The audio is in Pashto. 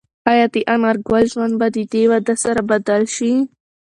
ایا د انارګل ژوند به د دې واده سره بدل شي؟